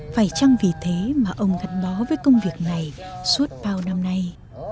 phải chăng vì thế mà ông gắn bó với công việc này suốt bao năm nay